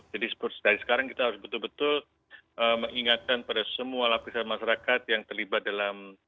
jadi dari sekarang kita harus betul betul mengingatkan pada semua lapisan masyarakat yang terlibat dalam